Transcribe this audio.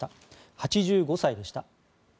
８５歳でした。